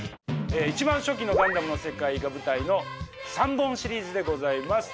一番初期の「ガンダム」の世界が舞台の３本シリーズでございます。